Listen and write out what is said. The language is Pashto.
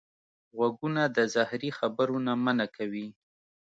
غوږونه د زهري خبرو نه منع کوي